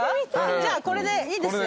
じゃあこれでいいですよ。